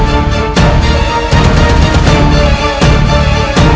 dan tidak ada satu yang bisa menolong